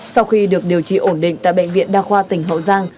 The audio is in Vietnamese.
sau khi được điều trị ổn định tại bệnh viện đa khoa tỉnh hậu giang